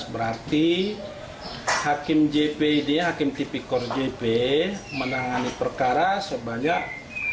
berarti hakim jpd hakim tipikor jp menangani perkara sebanyak